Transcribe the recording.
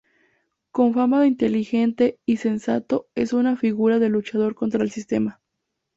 Con fama de inteligente y sensato es una figura de luchador contra el sistema.